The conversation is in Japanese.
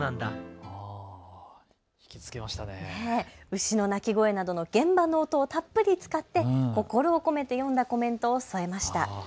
牛の鳴き声などの現場の音をたっぷり使って、心を込めて読んだコメントを添えました。